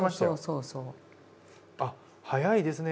あっ早いですね